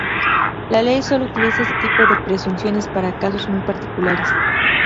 La ley sólo utiliza este tipo de presunciones para casos muy particulares.